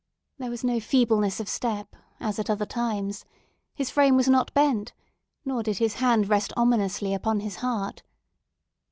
There was no feebleness of step as at other times; his frame was not bent, nor did his hand rest ominously upon his heart.